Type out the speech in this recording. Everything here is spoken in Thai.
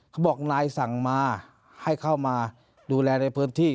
เขาบอกนายสั่งมาให้เข้ามาดูแลในพื้นที่